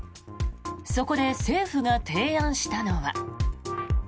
そこで政府が提案したのは。